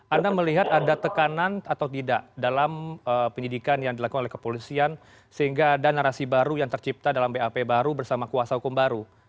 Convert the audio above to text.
anda melihat ada tekanan atau tidak dalam penyidikan yang dilakukan oleh kepolisian sehingga ada narasi baru yang tercipta dalam bap baru bersama kuasa hukum baru